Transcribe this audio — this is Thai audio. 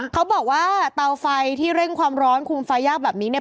เขาบอกว่าเตาไฟที่เร่งความร้อนคุมไฟยากแบบนี้เนี่ย